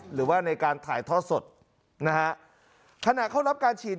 หรือว่าในการถ่ายทอดสดนะฮะขณะเข้ารับการฉีด